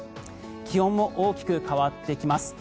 気温も大きく変わってきます。